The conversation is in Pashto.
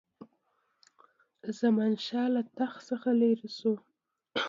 زمانشاه له تخت څخه لیري شو.